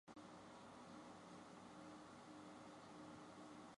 目的是为安定劳工生活与协助无法购屋者解决居住问题。